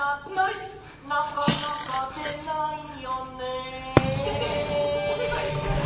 「なかなかでないよね」